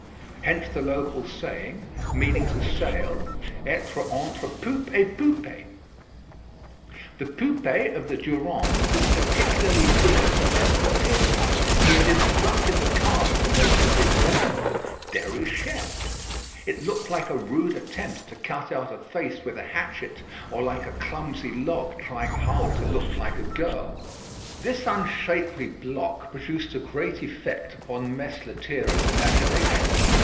Hence the local saying, meaning to sail, "être entre poupe et poupée." The poupée of the Durande was particularly dear to Mess Lethierry. He had instructed the carver to make it resemble Déruchette. It looked like a rude attempt to cut out a face with a hatchet; or like a clumsy log trying hard to look like a girl. This unshapely block produced a great effect upon Mess Lethierry's imagination.